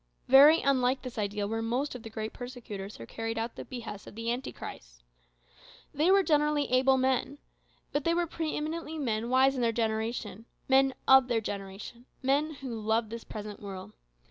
Very unlike this ideal were most of the great persecutors who carried out the behests of Antichrist. They were generally able men. But they were pre eminently men wise in their generation, men of their generation, men who "loved this present world."